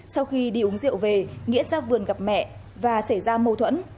sau khi đi uống rượu về nghĩa ra vườn gặp mẹ và xảy ra mâu thuẫn